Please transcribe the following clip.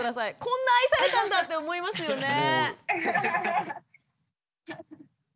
こんな愛されたんだって思いますよね。